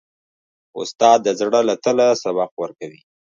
استاد د زړه له تله سبق ورکوي.